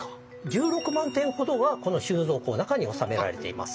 １６万点ほどはこの収蔵庫の中に収められています。